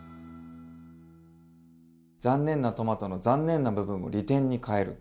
残念なトマトの残念な部分を利点に変える。